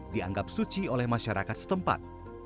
dianggap suci oleh masyarakat setempat